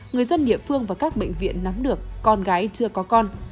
người dân địa phương và các bệnh viện nắm được con gái chưa có con